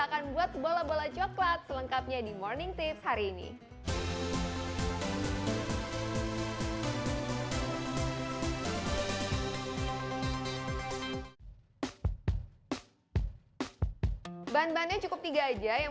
akan buat bola bola coklat selengkapnya di morning tips hari ini bahan bahannya cukup tiga aja yang